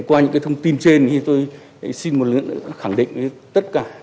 qua những thông tin trên tôi xin một lần nữa khẳng định với tất cả